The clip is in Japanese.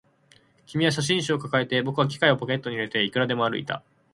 君は写真集を抱えて、僕は機械をポケットに入れて、いくらでも歩いた